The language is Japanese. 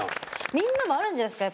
みんなもあるんじゃないですか？